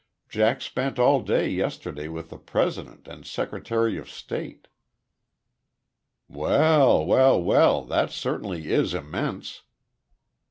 Jack spent all day yesterday with the President and Secretary of State." "Well, well, well! That certainly is immense!"